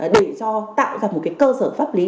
để cho tạo ra một cái cơ sở pháp lý